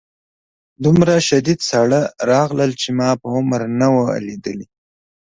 دومره شدید ساړه راغی چې ما په عمر نه و لیدلی